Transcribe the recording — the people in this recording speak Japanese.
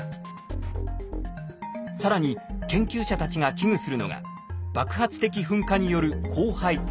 更に研究者たちが危惧するのが爆発的噴火による降灰。